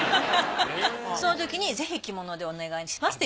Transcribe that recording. そのときにぜひ着物でお願いしますって。